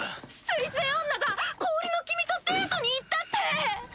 水星女が氷の君とデートに行ったって！